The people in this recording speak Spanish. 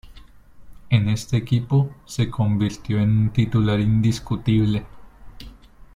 En este equipo se convirtió en titular indiscutible.